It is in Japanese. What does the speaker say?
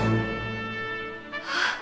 あっ。